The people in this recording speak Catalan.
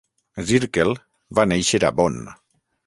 Zirkel va néixer a Bonn.